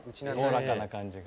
おおらかな感じが。